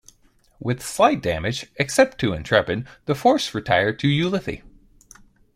With slight damage, except to "Intrepid", the force retired to Ulithi.